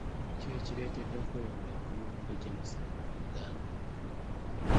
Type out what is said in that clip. Ki ekireetedde okweyongera kw'emiwendo gy'emisango mu Uganda?